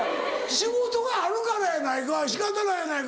仕事があるからやないかい仕方ないやないかい。